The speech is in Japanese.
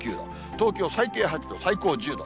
東京最低８度、最高１０度。